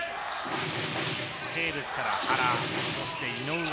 テーブスから原、そして井上。